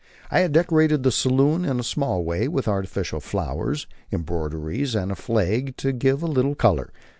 I had decorated the saloon in a small way with artificial flowers, embroideries, and flags, to give a little colour.